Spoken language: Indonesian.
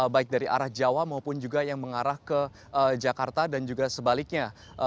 baik dari arah jawa maupun juga yang mengarah ke jakarta dan juga sebaliknya